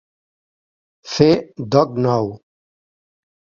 Fer doc nou.